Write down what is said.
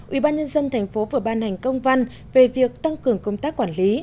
ubnd tp vừa ban hành công văn về việc tăng cường công tác quản lý